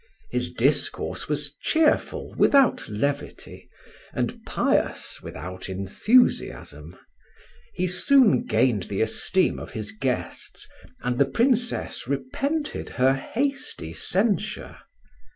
His discourse was cheerful without levity, and pious without enthusiasm. He soon gained the esteem of his guests, and the Princess repented her hasty censure.